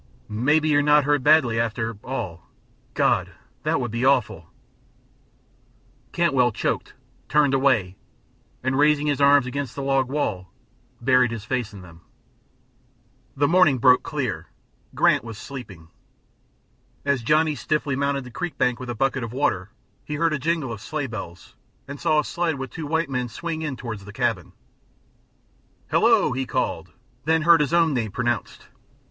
"Maybe you're not hurt badly, after all. God! That would be awful " Cantwell choked, turned away, and, raising his arms against the log wall, buried his face in them. The morning broke clear; Grant was sleeping. As Johnny stiffly mounted the creek bank with a bucket of water he heard a jingle of sleighbells and saw a sled with two white men swing in toward the cabin. "Hello!" he called, then heard his own name pronounced.